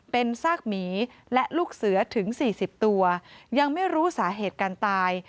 เป็นซากหมีและลูกเสือถึง๔๐ตัวยังไม่รู้สาเหตุการตาย